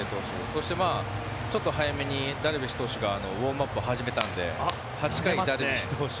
そして、ちょっと早めにダルビッシュ投手がウォームアップを始めたので８回、ダルビッシュ投手。